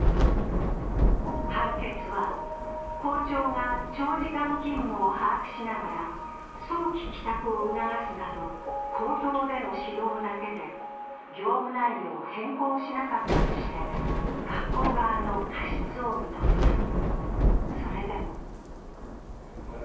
判決は、校長が長時間勤務を把握しながら、早期帰宅を促すなど口頭での指導だけで業務内容を変更しなかったとして学校側の過失を認めた。